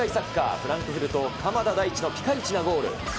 フランクフルト、鎌田大地のピカイチなゴール。